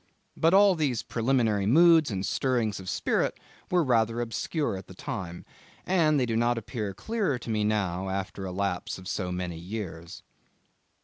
But all these preliminary moods and stirrings of spirit were rather obscure at the time, and they do not appear clearer to me now after the lapse of so many years.